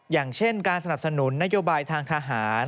อย่างเช่นการสนับสนุนนโยบายทางทหาร